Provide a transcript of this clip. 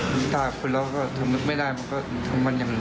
มันสุดหวายหินแล้วที่สมมุติได้